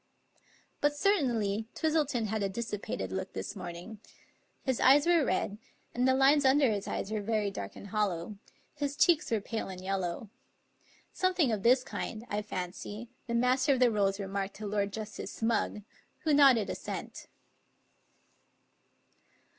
But certainly Twistleton had a dissipated look this morning. His eyes were red, and the lines under his eyes were very dark and hollow; his cheeks were pale and yel low. Something of this kind, I fancy, the Master of the Rolls remarked to Lord Justice Smugg, who nodded assent.